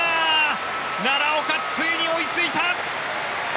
奈良岡、ついに追いついた！